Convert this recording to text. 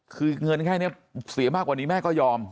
คือเงินแค่นี้เสียมากกว่านี้แม่ก็ยอม